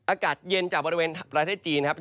อากาศเย็นจากบริเวณประเทศจีนครับ